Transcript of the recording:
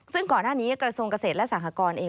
ซึ่งก่อนหน้านี้กระทรวงเกษตรและสหกรณ์เอง